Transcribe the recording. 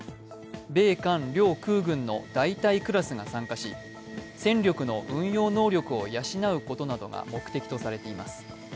米韓両空軍の大隊クラスが参加し、戦力の運用能力を養うことなどが目的とされています。